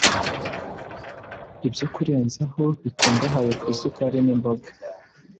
Ibyo Kurenzaho Bikungahaye ku Isukari nImboga